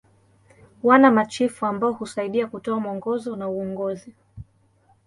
Wana machifu ambao husaidia kutoa mwongozo na uongozi.